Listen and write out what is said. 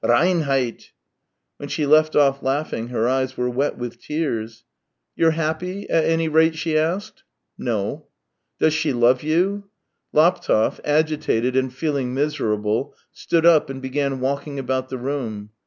" Reinheit !" When she left off laughing her eyes were wet with tears. " You're happy, at anv rate ?" she asked. "No." " Does she love you ?"" No." Laptev, agitated, and feehng miserable, stood up and began walking about the room.